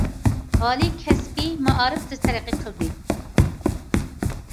ئالىي، كەسپىي مائارىپ تېز تەرەققىي قىلدى.